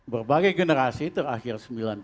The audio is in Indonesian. berbagai generasi terakhir sembilan puluh delapan